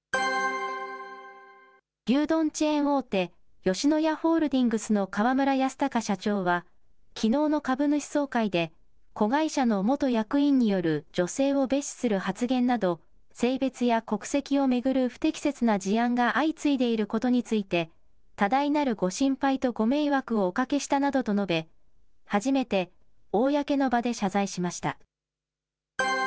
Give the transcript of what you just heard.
牛丼チェーン大手、吉野家ホールディングスの河村泰貴社長は、きのうの株主総会で、子会社の元役員による女性を蔑視する発言など、性別や国籍を巡る不適切な事案が相次いでいることについて、多大なるご心配とご迷惑をおかけしたなどと述べ、初めて公の場で謝罪しました。